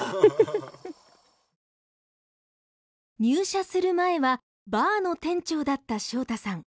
入社する前はバーの店長だった匠太さん。